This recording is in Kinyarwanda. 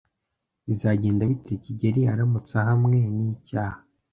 Bizagenda bite kigeli aramutse ahamwe n'icyaha?